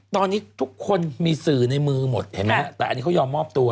ตอนนี้ทุกคนมีสื่อในมือหมดเห็นไหมฮะแต่อันนี้เขายอมมอบตัว